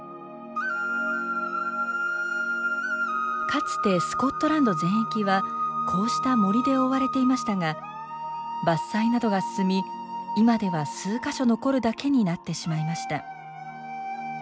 かつてスコットランド全域はこうした森で覆われていましたが伐採などが進み今では数か所残るだけになってしまいました。